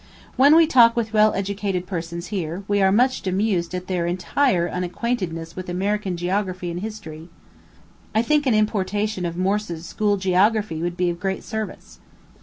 When we talk with well educated persons here, we are much amused at their entire unacquaintedness with American geography and history. I think an importation of Morse's School Geography would be of great service.